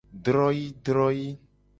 Droyii droyii.